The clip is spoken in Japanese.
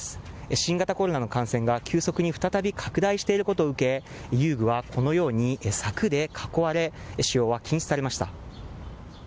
新型コロナの感染が急速に再び拡大していることを受けて遊具はこのように柵で囲われ使用は禁止されました。